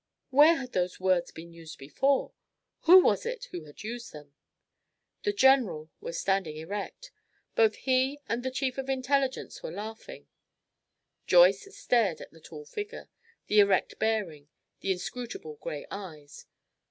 Where had those words been used before? Who was it who had used them? The general was standing erect. Both he and the Chief of the Intelligence were laughing. Joyce stared at the tall figure, the erect bearing, the inscrutable grey eyes.